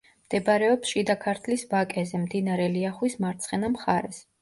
მდებარეობს შიდა ქართლის ვაკეზე, მდინარე ლიახვის მარცხენა მხარეს.